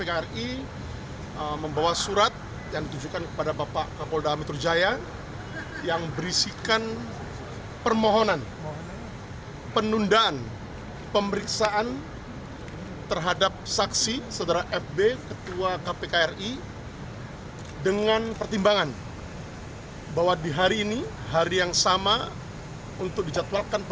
ketua komisi pemberantasan korupsi firly bahuri batal menuhi panggilan direktorat kriminal khusus polda metro jaya guna diperiksa sebagai saksi dalam kasus dugaan penerimaan suap dari mantan menteri pertanian syahrul yassin limpo